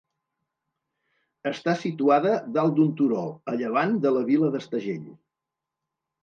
Està situada dalt d'un turó a llevant de la vila d'Estagell.